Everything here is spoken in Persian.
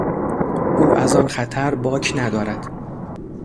او از آن خطر باک ندارد.